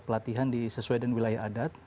pelatihan sesuai dengan wilayah adat